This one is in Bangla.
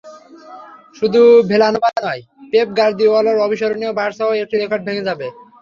শুধু ভিলানোভা নয়, পেপ গার্দিওলার অবিস্মরণীয় বার্সারও একটি রেকর্ড ভেঙে যাবে।